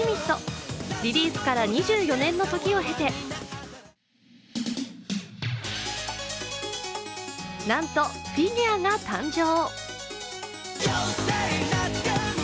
リリースから２４年の時を経てなんとフィギュアが誕生。